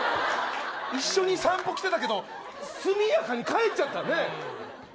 一緒に散歩来てたけど速やかに帰っちゃった。